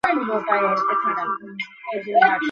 চরিত্র ছিল প্রহরী।